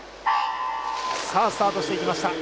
スタートしていきました。